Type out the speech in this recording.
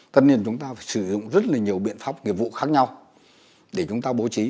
tất nhiên chúng ta phải sử dụng rất là nhiều biện pháp nghiệp vụ khác nhau để chúng ta bố trí